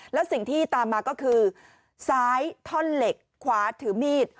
แล้วสิ่งที่ตามมาก็คือซ้ายท่อนเหล็กขวาถือมีด